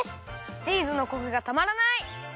チーズのコクがたまらない！